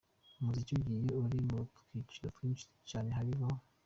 Umuziki ugiye uri mu twiciro twinshi cyane hariya.